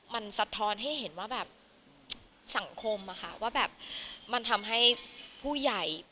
มันสะท้อนให้เห็นว่าแบบสังคมอะค่ะว่าแบบมันทำให้ผู้ใหญ่